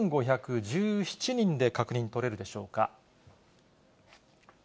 １５１７人で確認取れるでしょうか。